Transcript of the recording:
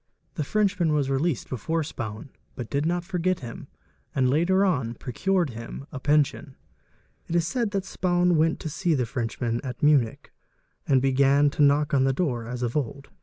The Frenchman yas released before Spaun, but did not forget him and later on procured him a pension. It is said that Spaun went to see the Frenchman at Munich and began to knock on the door as of old.